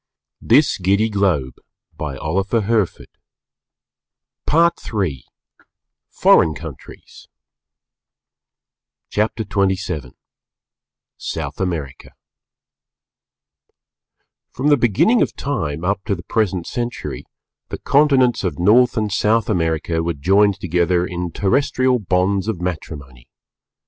"_PART III FOREIGN COUNTRIES CHAPTER XXVII SOUTH AMERICA From the beginning of time up to the present century, the continents of North and South America were joined together in terrestrial bonds of matrimony.